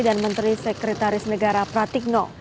dan menteri sekretaris negara pratikno